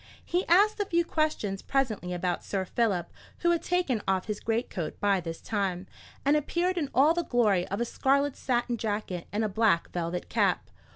He asked a few questions presently about Sir Philip, who had taken off his greatcoat by this time, and appeared in all the glory of a scarlet satin jacket and a black velvet cap.